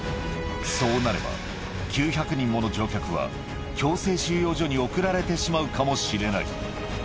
そうなれば、９００人もの乗客は、強制収容所に送られてしまうかもしれない。